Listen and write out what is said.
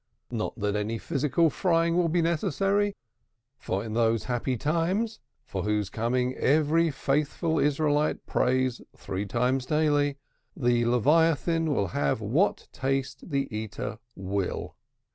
Not that any physical frying will be necessary, for in those happy times (for whose coming every faithful Israelite prays three times a day), the Leviathan will have what taste the eater will.